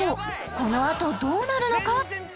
このあとどうなるのか？